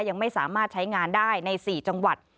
ยังไม่สามารถใช้งานได้ใน๔จังหวัด